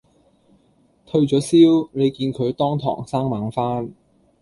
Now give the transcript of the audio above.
退左燒，你見佢當堂生猛返